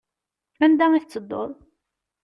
Anda i tettedduḍ?